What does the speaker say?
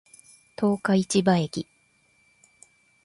十日市場駅